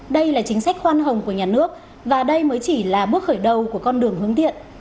đây là chính sách khoan hồng của nhà nước và đây mới chỉ là bước khởi đầu của con đường hướng thiện